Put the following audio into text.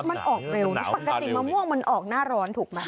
มันออกเร็วนะปกติมะม่วงมันออกหน้าร้อนถูกไหม